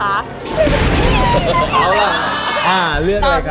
เอาล่ะอ่าเลือกเลยครับ